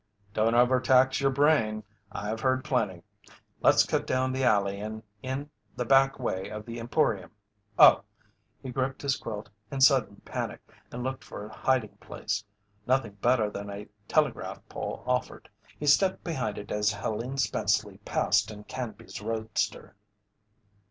"Don't overtax your brain I've heard plenty. Let's cut down the alley and in the back way of the Emporium. Oh!" He gripped his quilt in sudden panic and looked for a hiding place. Nothing better than a telegraph pole offered. He stepped behind it as Helene Spenceley passed in Canby's roadster.